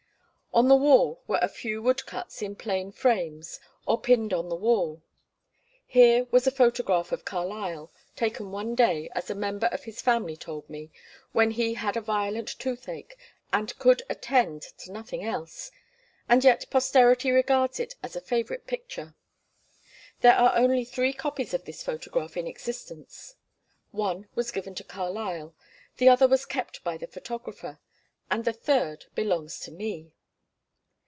On the wall were a few woodcuts in plain frames or pinned on the wall. Here was a photograph of Carlyle, taken one day, as a member of his family told me, when he had a violent toothache and could attend to nothing else, and yet posterity regards it as a favourite picture. There are only three copies of this photograph in existence. One was given to Carlyle, the other was kept by the photographer, and the third belongs to me.